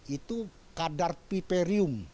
itu kadar piperium